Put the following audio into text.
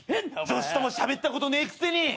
女子ともしゃべったことねえくせに！